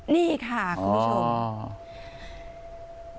นี่ค่ะคุณผู้ชม